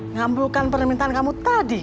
ngambulkan permintaan kamu tadi